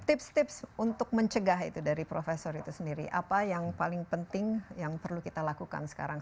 tips tips untuk mencegah itu dari profesor itu sendiri apa yang paling penting yang perlu kita lakukan sekarang